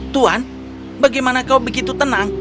tuan bagaimana kau begitu tenang